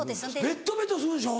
ベットベトするでしょ。